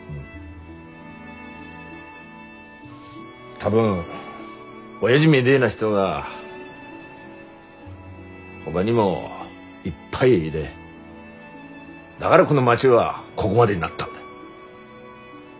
多分おやじみでえな人がほがにもいっぱいいでだがらこの町はこごまでになったんだ。